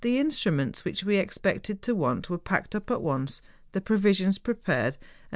87 instruments which we expected to want were packed up at once, the provisions prepared, and M.